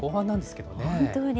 本当に。